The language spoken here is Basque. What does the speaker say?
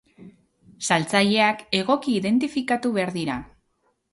Saltzaileak egoki identifikatu behar dira.